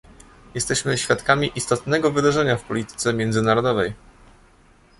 Jesteśmy świadkami istotnego wydarzenia w polityce międzynarodowej